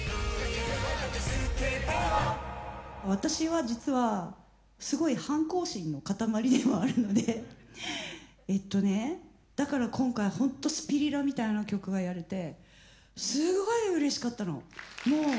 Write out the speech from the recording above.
私は実はすごい反抗心の塊ではあるのでえっとねだから今回ほんと「スピリラ」みたいな曲がやれてすごいうれしかったの。